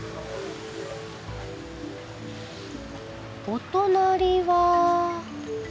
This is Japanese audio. お隣は。